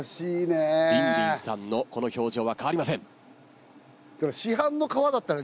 リンリンさんのこの表情は変わりません。